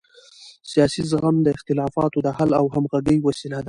سیاسي زغم د اختلافاتو د حل او همغږۍ وسیله ده